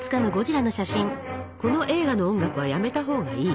この映画の音楽はやめたほうがいい。